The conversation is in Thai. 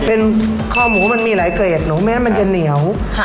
เป็นคอหมูมันมีหลายเกรดหนูแม้มันจะเหนียว